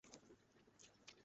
আমাকে আগে বললে না কেন?